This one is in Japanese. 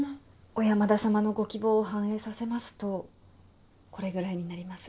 小山田様のご希望を反映させますとこれぐらいになります。